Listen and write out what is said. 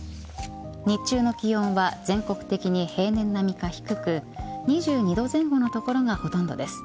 日中の気温は全国的に平年並みか低く２２度前後の所がほとんどです。